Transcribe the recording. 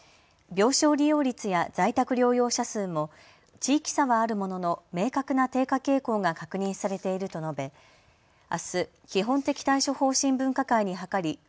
病床利用率や在宅療養者数も地域差はあるものの明確な低下傾向が確認されていると述べあす、基本的対処方針分科会に諮り